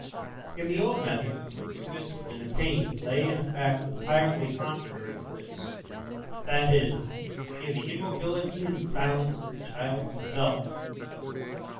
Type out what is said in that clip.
In the old method, the proof of discipline attained lay in a fact entirely contrary to this; that is, in the immobility and silence of the child himself.